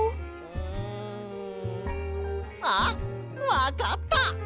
んあっわかった！